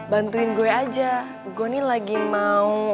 bantuin gue aja gue nih lagi mau